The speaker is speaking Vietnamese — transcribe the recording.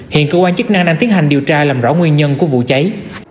hiện cơ quan chức năng đang tiến hành điều tra làm rõ nguyên nhân của vụ cháy